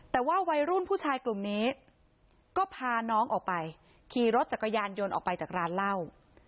แต่ว่าวัยรุ่นผู้ชายกลุ่มนี้ก็พาน้องออกไปขี่รถจักรยานยนต์ออกไปจากร้านเหล้า